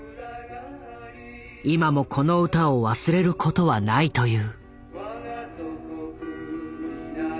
今もこの歌を忘れることはないという。